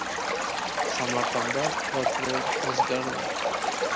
Samarqandda prokuror o‘zgardi